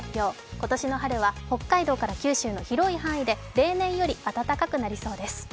今年の春は北海道から九州の広い範囲で例年より暖かくなりそうです。